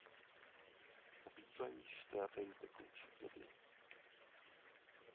Obývají stojaté i tekoucí vody.